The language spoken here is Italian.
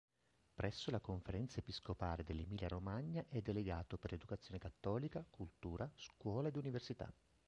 Presso la conferenza episcopale dell'Emilia-Romagna è delegato per l'educazione cattolica, cultura, scuola ed università.